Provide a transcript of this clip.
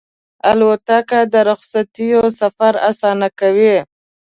الوتکه د رخصتیو سفر اسانه کوي.